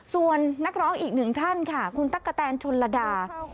ส่วนนักร้องอีกหนึ่งท่านค่ะคุณตั๊กกะแตนชนระดา